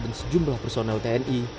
dan sejumlah personel tni